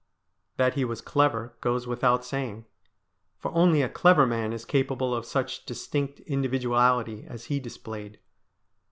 That he was clever goes without saying, for only a clever man is capable of such distinct individuality as he displayed.